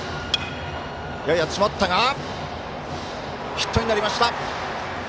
ヒットになりました！